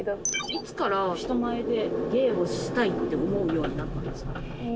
いつから人前で芸をしたいって思うようになったんですか？